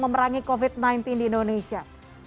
memerangi covid sembilan belas di indonesia